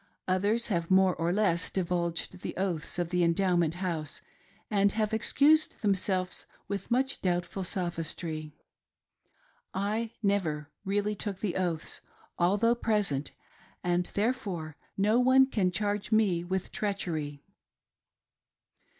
Others have more or less divulged the oaths of the Endowment House, and have excused themselves with much doubtful sophistry. I NEVER really took the oaths, although present, and therefore no one can charge me with treachery.